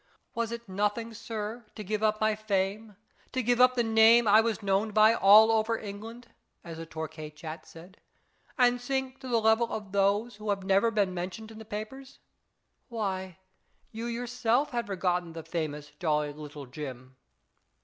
Was it nothing, sir, to give up my fame, to give up the name I was known by all over England (as the Torquay Chat said), and sink to the level of those who have never been mentioned in the papers? Why, you yourself had forgotten the famous Jolly Little Jim."